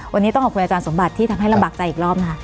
วันนี้ต้องขอบคุณอาจารย์สมบัติที่ทำให้ลำบากใจอีกรอบนะคะ